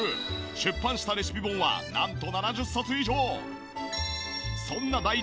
出版したレシピ本はなんと７０冊以上！